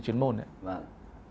chuyên môn ấy vâng